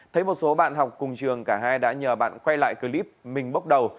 thấy một số bạn học cùng trường cả hai đã nhờ bạn quay lại clip mình bốc đầu